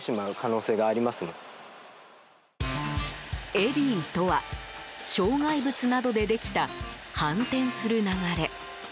エディとは障害物などでできた反転する流れ。